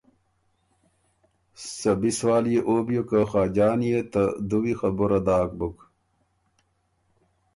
سۀ بی سوال يې او بیوک که خاجان يې ته دُوي خبُره داک بُک۔